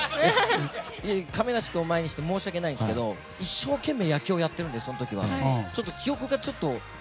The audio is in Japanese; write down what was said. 亀梨君を前にして申し訳ないんですけど一生懸命野球をやっているのでその時は記憶がちょっと。